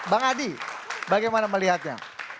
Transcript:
bang adi bagaimana melihatnya